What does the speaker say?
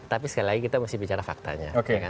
tapi sekali lagi kita mesti bicara faktanya